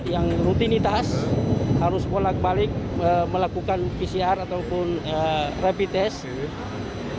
yang rutinitas harus bolak balik melakukan pcr ataupun rapid test